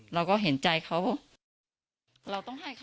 เราก็เห็นใจเขา